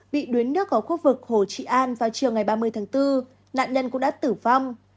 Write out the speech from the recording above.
bị đuối nước ở khu vực hồ trị an vào chiều ngày ba mươi tháng bốn nạn nhân cũng đã tử vong